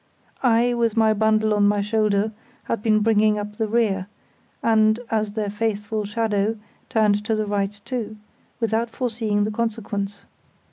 I, with my bundle on my shoulder, had been bringing up the rear, and, as their faithful shadow, turned to the right too, without foreseeing the consequence.